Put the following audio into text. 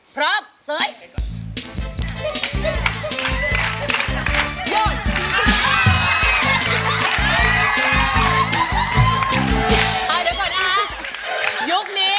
พร้อมเสยธุ์